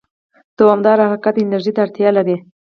دوامداره حرکت انرژي ته اړتیا لري.